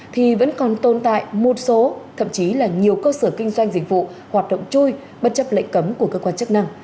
thì vẫn còn tồn tại một số thậm chí là nhiều cơ sở kinh doanh dịch vụ hoạt động chui bất chấp lệnh cấm của cơ quan chức năng